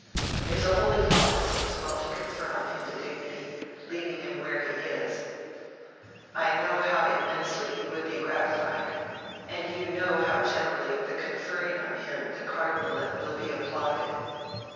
If the Holy Father thinks well to confer on him the dignity, leaving him where he is, I know how immensely he would be gratified, and you will know how generally the conferring on him the Cardinalate will be applauded.'